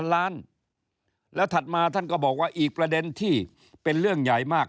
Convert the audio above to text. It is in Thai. ล้านแล้วถัดมาท่านก็บอกว่าอีกประเด็นที่เป็นเรื่องใหญ่มาก